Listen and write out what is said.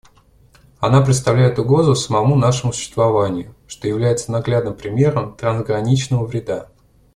Она представляет угрозу самому нашему существованию, что является наглядным примером трансграничного вреда.